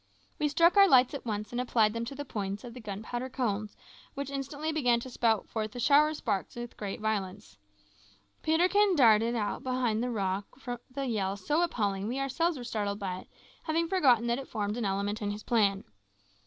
We struck our lights at once and applied them to the points of the gunpowder cones, which instantly began to spout forth a shower of sparks with great violence. Peterkin darted out from behind the rock with a yell so appalling that we ourselves were startled by it, having forgotten that it formed an element in his plan.